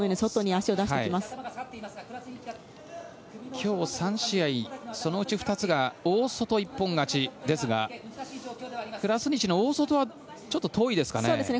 今日３試合、そのうち２つが大外一本勝ちですがクラスニチの大外はちょっと遠いですかね。